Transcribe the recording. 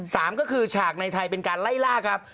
สามก็คือฉากในไทยเป็นการไล่ล่าครับ